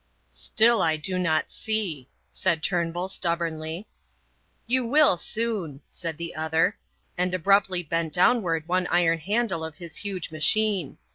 "Still I do not see," said Turnbull, stubbornly. "You will soon," said the other, and abruptly bent downward one iron handle of his huge machine.